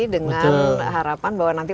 dengan harapan bahwa nanti